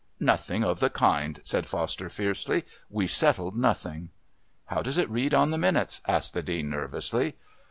"Nothing of the kind," said Foster fiercely. "We settled nothing." "How does it read on the minutes?" asked the Dean nervously.